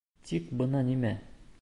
Тик бына нимә.